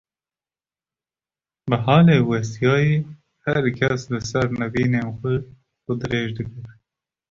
bi halê westiyayê her kes li ser nivînên xwe, xwe dirêj dikir.